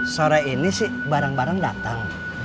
sore ini sih barang barang datang